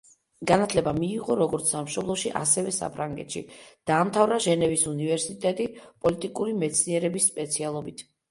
განათლება მიიღო როგორც სამშობლოში, ასევე საფრანგეთში, დაამთავრა ჟენევის უნივერსიტეტი პოლიტიკური მეცნიერების სპეციალობით.